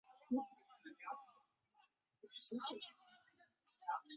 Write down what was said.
杏鲍菇因其有杏仁香气及鲍鱼口感而得名。